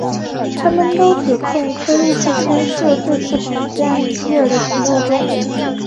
他们都指控车路士牵涉这次绑架米基尔的行动中。